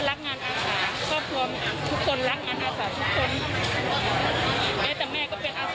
แม่แต่แม่ก็เป็นอาสาเหมือนกันอ้างก็เป็นอาสาพ่อพ่อก็เป็นอาสา